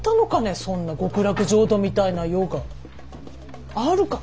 そんな極楽浄土みたいな世があるか。